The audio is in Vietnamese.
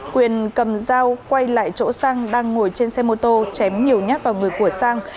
quyền cầm dao quay lại chỗ sang đang ngồi trên xe mô tô chém nhiều nhát vào người của sang